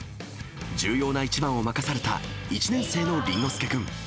重要な一番を任された１年生の倫之亮君。